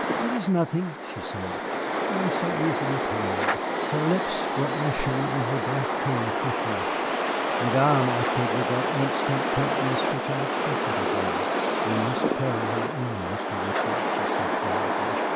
"It is nothing," she said; "I am so easily tired." Her lips were ashen, and her breath came quickly. Madame acted with that instant promptness which I expected of her. "You must carry her in, Mr. Ritchie," she said quietly.